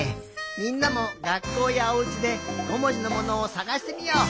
みんなもがっこうやおうちで５もじのものをさがしてみよう。